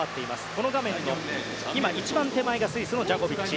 この画面の一番手前がスイスのジャコビッチ。